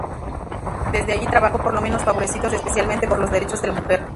Desde allí trabajó por los menos favorecidos, especialmente por los derechos de la mujer.